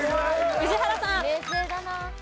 宇治原さん。